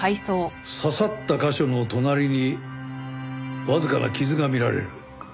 刺さった箇所の隣にわずかな傷が見られる。